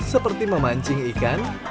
seperti memancing ikan